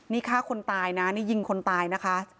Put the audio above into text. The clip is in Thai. นี่ฆ่าคนตายนะนี่ยิงคนตายนะคะ